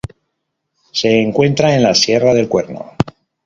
Se encuentra en la sierra del Cuerno.